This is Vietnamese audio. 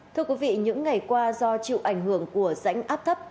thưa quý vị những ngày qua do chịu ảnh hưởng của rãnh áp thấp